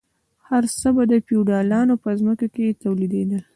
هر څه به د فیوډالانو په ځمکو کې تولیدیدل.